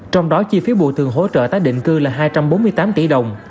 trong đó chi phí bộ thường hỗ trợ tác định cư là hai trăm bốn mươi tám tỷ đồng